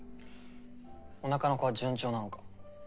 おなかの子は順調なのか？